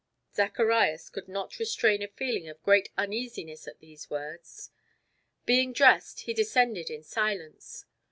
Zacharias could not restrain a feeling of great uneasiness at these words. Being dressed, he descended in silence.